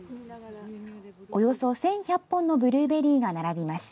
およそ１１００本のブルーベリーが並びます。